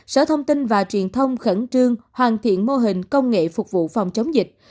sở thông tin và truyền thông khẩn trương hoàn thiện mô hình công nghệ phục vụ phòng chống dịch